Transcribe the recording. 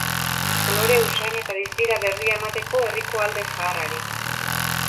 Kolore, usain, eta dizdira berria emateko herriko alde zaharrari.